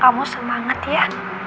kamu semangat ya